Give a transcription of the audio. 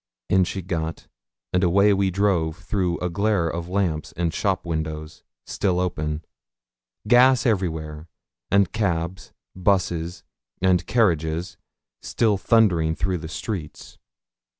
In she got, and away we drove through a glare of lamps, and shop windows, still open; gas everywhere, and cabs, busses, and carriages, still thundering through the streets.